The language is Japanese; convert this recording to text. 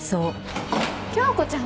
京子ちゃん